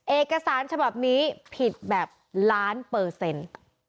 เอกสารฉบับนี้ผิดแบบล้านเปอร์เซ็นต์